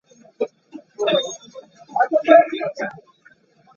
Two male teenagers have been criminally charged with murder.